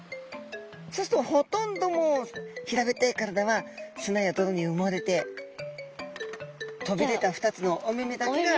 そうするとほとんどもう平べったい体は砂や泥にうもれて飛び出た２つのお目々だけが。